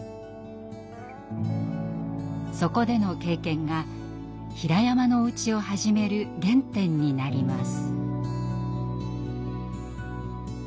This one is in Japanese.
そこでの経験がひらやまのお家を始める原点になります。